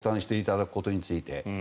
税を負担していただくことについて。